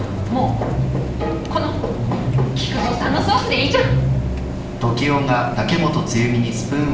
この菊蔵さんのソースでいいじゃん。